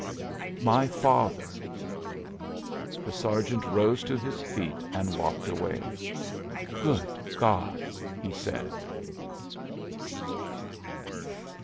"My father." The sergeant rose to his feet and walked away. "Good God!" he said.